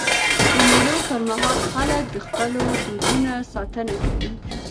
د مېلو پر مهال خلک د خپلو دودونو ساتنه کوي.